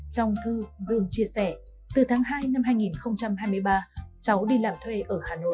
trong thư dương chia sẻ từ tháng hai năm hai nghìn hai mươi ba cháu đi làm thuê ở hà nội